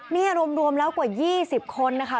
นี่รวมแล้วกว่า๒๐คนนะคะ